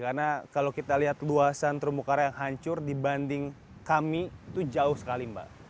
karena kalau kita lihat luasan terumbu karang yang hancur dibanding kami itu jauh sekali mbak